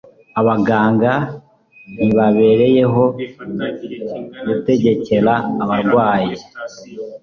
Abaganga ntibabereyeho gutegekera abarwayi